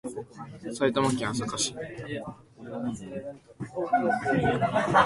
埼玉県朝霞市